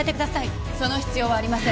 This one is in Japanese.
その必要はありません。